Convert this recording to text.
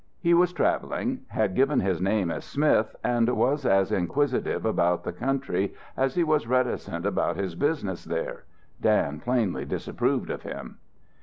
He was travelling, had given him name as Smith, and was as inquisitive about the country as he was reticent about his business there. Dan plainly disapproved of him.